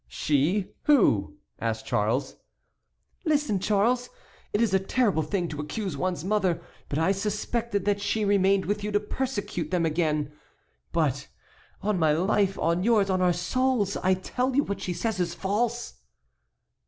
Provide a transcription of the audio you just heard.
"She? Who?" asked Charles. "Listen, Charles, it is a terrible thing to accuse one's mother; but I suspected that she remained with you to persecute them again. But, on my life, on yours, on our souls, I tell you what she says is false!"